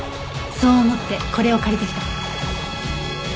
そう思ってこれを借りてきた。